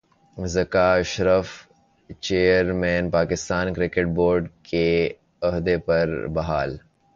Zaka Ashraf chairman Pakistan cricket board کے عہدے پر بحال